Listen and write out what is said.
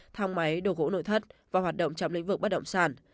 thang máy đồ gỗ nội thất và hoạt động trong lĩnh vực bất động sản